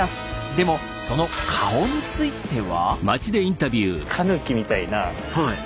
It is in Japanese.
でもその顔については？